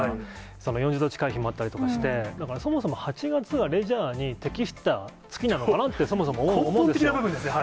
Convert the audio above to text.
その４０度近い日もあったりとかして、だから、そもそも８月はレジャーに適した月なのかな？って、そもそも思う根本的な部分ですね。